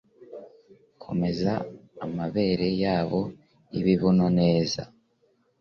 Komeza amabere yabo yibibuno neza